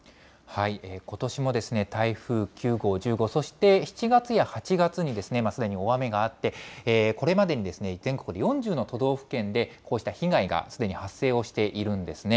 ことしも台風９号、１０号、そして７月や８月にすでに大雨があって、これまでに全国で４０の都道府県でこうした被害がすでに発生をしているんですね。